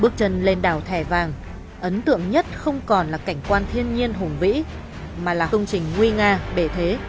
bước chân lên đảo thẻ vàng ấn tượng nhất không còn là cảnh quan thiên nhiên hùng vĩ mà là công trình nguy nga bể thế